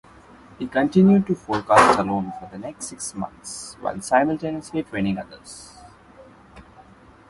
He continued to forecast alone for the next six months, while simultaneously training others.